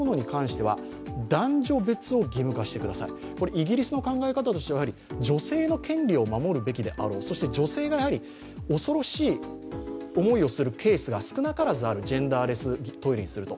イギリスの考え方としては、女性の権利を守るべきであろう、そして女性が恐ろしい思いをするケースが少なからずある、ジェンダーレストイレにすると。